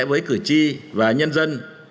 với cử tri và nhân dân